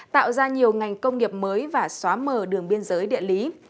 tạo ra nhiều ngành công nghiệp mới và xóa mờ đường biên giới địa lý